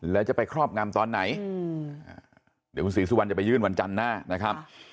แล้วจะไปครอบงำตอนไหนเดี๋ยวคุณศรีสุวรรณจะไปยื่นวันจันทร์หน้านะครับ